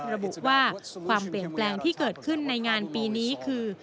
ระบุว่าความเปลี่ยนแปลงที่เกิดขึ้นในงานปีนี้คือ